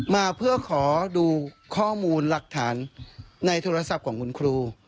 มาเพื่อขอดูข้อมูลหลักฐานในโทรศัพท์ของคุณครู